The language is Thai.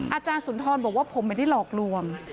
อาจารย์สุนทรบอกว่าผมไม่ได้หลอกลวง